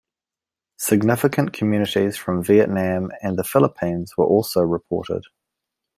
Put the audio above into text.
Significant communities from Vietnam and the Philippines were also reported.